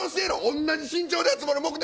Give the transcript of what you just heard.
同じ身長で集まる目的。